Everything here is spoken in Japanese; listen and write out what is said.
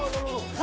何？